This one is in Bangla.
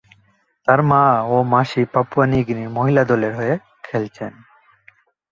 তার মা ও মাসি পাপুয়া নিউগিনির মহিলা দলের হয়ে খেলছেন।